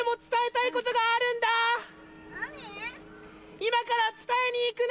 今から伝えにいくね！